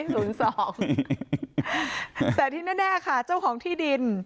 แต่ที่แน่ค่ะเจ้าของที่ดิน